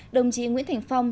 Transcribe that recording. đồng chí nguyễn thành phong